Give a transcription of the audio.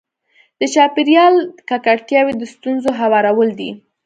د چاپېریال ککړتیاوې د ستونزو هوارول دي.